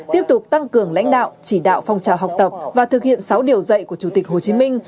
tiếp tục tăng cường lãnh đạo chỉ đạo phong trào học tập và thực hiện sáu điều dạy của chủ tịch hồ chí minh